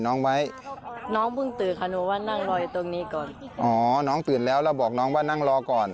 อ๋อน้องนิวตื่นแล้วแล้วบอกน้องนิวว่านั่งรอก่อน